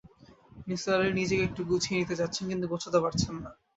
নিসার আলি নিজেকে একটু গুছিয়ে নিতে চাচ্ছেন, কিন্তু গোছাতে পারছেন না।